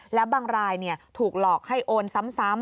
แล้วบางรายถูกหลอกให้โอนซ้ำ